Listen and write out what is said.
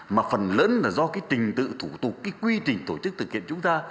mà phần lớn là do cái trình tự thủ tục cái quy trình tổ chức thực hiện chúng ta